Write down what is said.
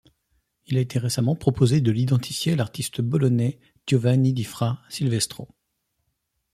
Il a été récemment proposé de l'identifier à l'artiste bolonais Giovanni di fra Silvestro.